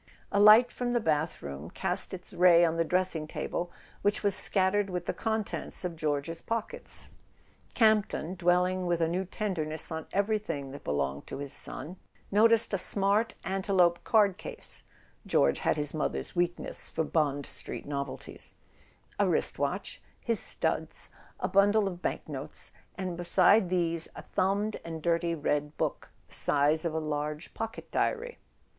A [ 50 ] A SON AT THE FRONT light from the bathroom cast its ray on the dressing table, which was scattered with the contents of George's pockets. Camp ton, dwelling with a new tenderness on everything that belonged to his son, noticed a smart antelope card case (George had his mother's weakness for Bond Street novelties), a wrist watch, his studs, a bundle of bank notes; and beside these a thumbed and dirty red book, the size of a large pocket diary.